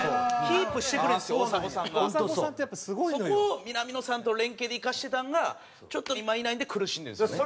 そこを南野さんと連係で生かしてたんがちょっと今いないんで苦しんでるんですよね。